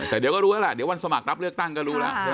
แต่เดี๋ยวก็รู้แล้วแหละเดี๋ยววันสมัครรับเลือกตั้งก็รู้แล้ว